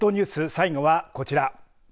最後はこちら。